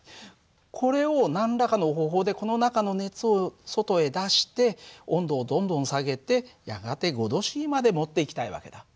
これを何らかの方法でこの中の熱を外へ出して温度をどんどん下げてやがて５℃までもっていきたい訳だ。